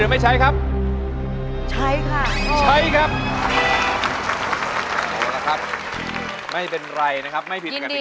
ไม่ผิดกฎิกา